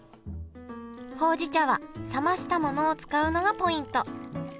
ほうじ茶は冷ましたものを使うのがポイント。